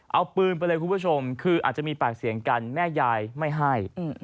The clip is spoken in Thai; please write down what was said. เอาปืนไปเลยคุณผู้ชมคืออาจจะมีปากเสียงกันแม่ยายไม่ให้